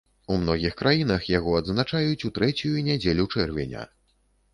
У многіх краінах яго адзначаюць у трэцюю нядзелю чэрвеня.